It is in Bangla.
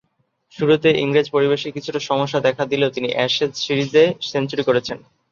শুরুতে ইংরেজ পরিবেশে কিছুটা সমস্যা দেখা দিলেও তিনি অ্যাশেজ সিরিজে সেঞ্চুরি করেছেন।